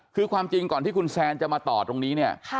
คือความจริงก่อนที่คุณแซนจะมาต่อตรงนี้เนี่ย